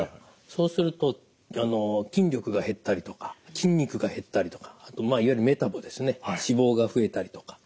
そうすると筋力が減ったりとか筋肉が減ったりとかいわゆるメタボですね脂肪が増えたりとか。